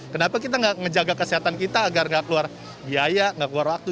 kenapa kita gak menjaga kesehatan kita agar gak keluar biaya gak keluar waktu